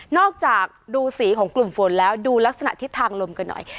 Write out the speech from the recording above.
จากดูสีของกลุ่มฝนแล้วดูลักษณะทิศทางลมกันหน่อย